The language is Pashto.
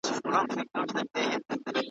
له مرګي یې وو اوزګړی وېرولی `